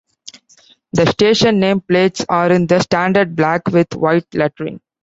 The station name plates are in the standard black with white lettering.